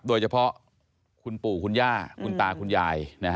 โดยเฉพาะคุณปู่คุณย่าคุณตาคุณยาย